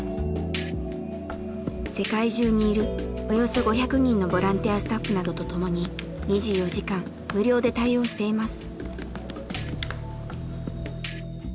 世界中にいるおよそ５００人のボランティアスタッフなどと共に２４時間無料で対応しています。